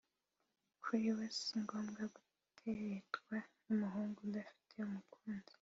kuri bo si ngombwa guteretwa n’umuhungu udafite umukunzi